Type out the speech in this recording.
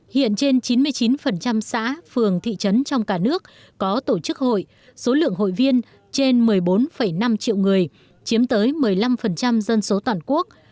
hiện trên chín mươi chín xã phường thị trấn trong cả nước có tổ chức hội số lượng hội viên trên một mươi bốn năm triệu người chiếm tới một mươi năm dân số toàn quốc